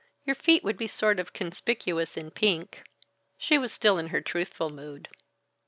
Your feet would be sort of conspicuous in pink." She was still in her truthful mood.